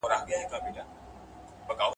سدۍ سوې چي تربور یې په دښمن دی غلط کړی !.